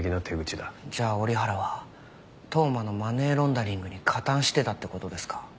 じゃあ折原は当麻のマネーロンダリングに加担してたって事ですか？